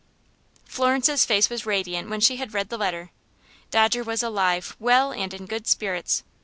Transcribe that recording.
Florence's face was radiant when she had read the letter. Dodger was alive, well, and in good spirits.